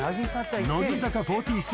乃木坂４６